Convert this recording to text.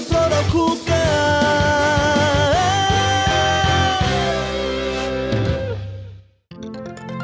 เพราะเราคู่กัน